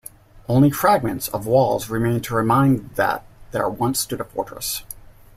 Only fragments of walls remain to remind that there once stood a fortress.